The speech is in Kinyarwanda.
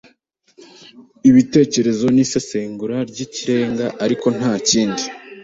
ibitekerezo nisesengura ryikirenga ariko ntakindi